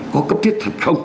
có cấp thiết